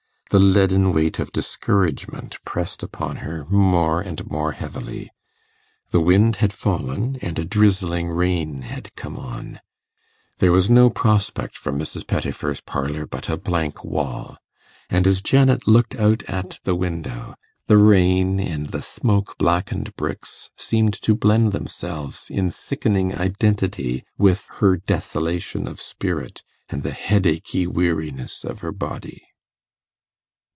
The leaden weight of discouragement pressed upon her more and more heavily. The wind had fallen, and a drizzling rain had come on; there was no prospect from Mrs. Pettifer's parlour but a blank wall; and as Janet looked out at the window, the rain and the smoke blackened bricks seemed to blend themselves in sickening identity with her desolation of spirit and the headachy weariness of her body.